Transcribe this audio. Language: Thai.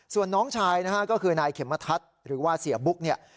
ส่วนน้องชายนะฮะก็คือนายเขมทัศน์หรือว่าเสียบุ๊กเนี่ย